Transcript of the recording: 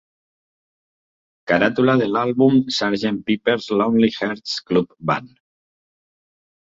Caràtula de l'àlbum Sgt. Pepper's Lonely Hearts Club Band.